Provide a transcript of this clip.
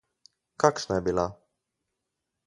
Kakšna je bila?